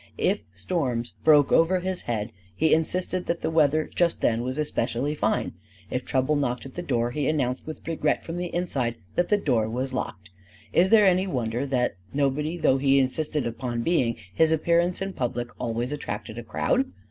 If storms broke over his head, he insisted that the weather just then was especially fine; if trouble knocked at the door, he announced with regret from the inside that the door was locked. Is there any wonder that, nobody though he insisted upon being, his appearance in public always attracted a crowd?